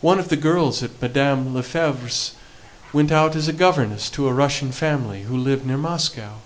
One of the girls at Madame Lefevre's went out as a governess to a Russian family, who lived near Moscow.